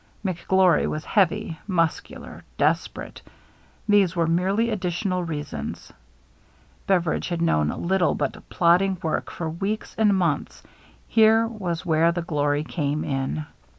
McGlory was heavy, muscular, desperate — these were merely additional reasons. Beveridge had known little but plodding work for weeks and months — here was where the glory came in.